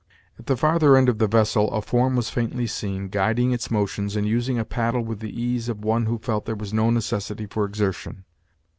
At the farther end of the vessel a form was faintly seen, guiding its motions, and using a paddle with the ease of one who felt there was no necessity for exertion.